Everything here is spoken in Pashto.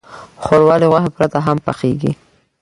ښوروا له غوښې پرته هم پخیږي.